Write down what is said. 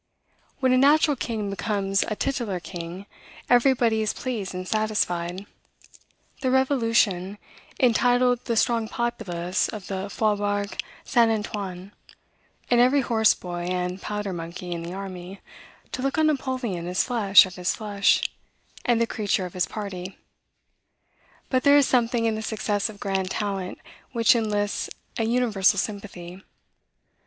When a natural king becomes a titular king, everybody is pleased and satisfied. The Revolution entitled the strong populace of the Faubourg St. Antoine, and every horse boy and powder monkey in the army, to look on Napoleon as flesh of his flesh, and the creature of his party: but there is something in the success of grand talent which enlists an universal sympathy.